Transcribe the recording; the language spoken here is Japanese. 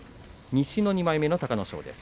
西の２枚目の隆の勝です。